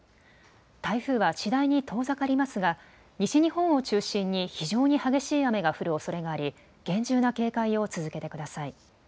台風は次第に遠ざかりますが西日本を中心に非常に激しい雨が降るおそれがあり厳重な警戒を続けてください。